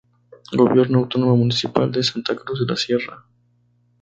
Gobierno Autónomo Municipal de Santa Cruz de la Sierra.